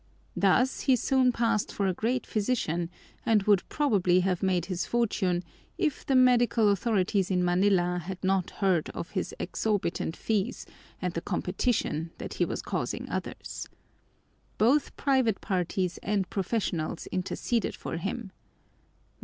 Thus he soon passed for a great physician and would probably have made his fortune if the medical authorities in Manila had not heard of his exorbitant fees and the competition that he was causing others. Both private parties and professionals interceded for him.